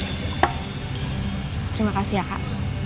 terima kasih ya kak